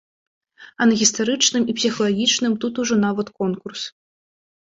А на гістарычным і псіхалагічным тут ужо нават конкурс.